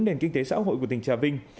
nền kinh tế xã hội của tỉnh trà vinh